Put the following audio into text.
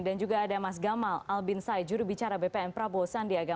dan juga ada mas gamal albin syai juru bicara bpn prabowo sandiaga